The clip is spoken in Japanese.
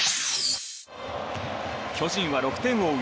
巨人は６点を追う